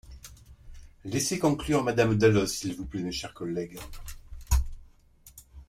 Laissez conclure Madame Dalloz, s’il vous plaît, mes chers collègues.